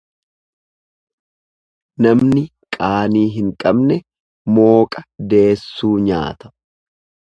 Namni qaanii hin qabne mooqa deessuu nyaata.